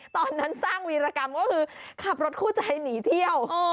ตอนนั้นสร้างวีรกรรมก็คือขับรถคู่ใจหนีเที่ยว